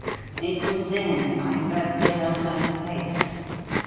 It was then that I first beheld her face.